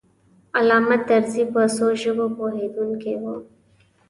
علامه طرزی په څو ژبو پوهېدونکی و.